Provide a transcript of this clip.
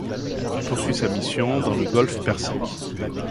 Il poursuit sa mission dans le Golfe Persique.